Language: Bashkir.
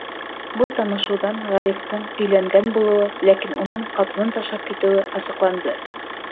Был танышыуҙан Ғарифтың өйләнгән булыуы, ләкин уның ҡатынын ташлап китеүе асыҡланды.